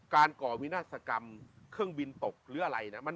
การก่อวินาศคำเครื่องบินตกเหรืออะไรเนี่ย